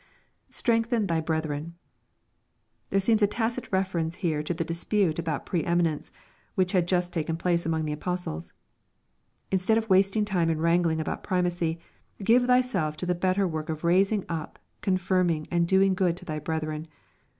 [Strengthen thy hrethren^ There seems a tacit reference heio to the dispute about pre eminence, which had just taken place among the apostles. " Instead of wasting time in wranghng about primacy, give thyself to the better work of raising up, con firming, and doijig good to thy brethren.